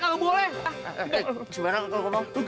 kau bersedih kau juga bersedih